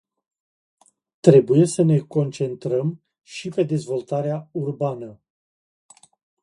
Trebuie să ne concentrăm și pe dezvoltarea urbană.